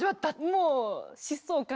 もう疾走感に。